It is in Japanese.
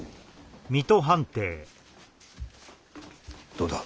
どうだ？